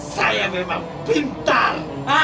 saya memang pintar